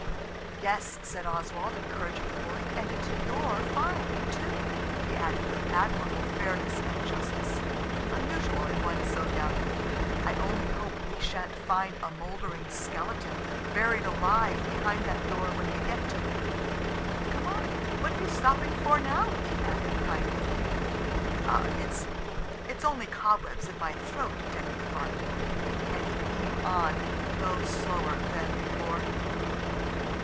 "Yes," said Oswald, encouraging the boy, "and it's your find, too," he added, with admirable fairness and justice, unusual in one so young. "I only hope we shan't find a mouldering skeleton buried alive behind that door when we get to it. Come on. What are you stopping for now?" he added kindly. "It's–it's only cobwebs in my throat," Denny remarked, and he came on, though slower than before.